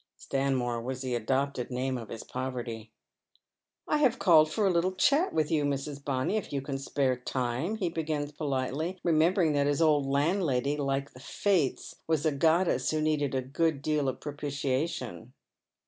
Stanmore was the adopted name of his poverty. " I have called for a little chat with you, Mrs. Bonny, if you can spare time, ' he begins politely, remembering that his old landlady, like the Fates, was a goddess who needed a good deal of propitiation.